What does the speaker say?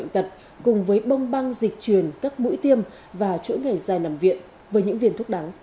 truyền các mũi tiêm và chỗ ngày dài nằm viện với những viên thuốc đắng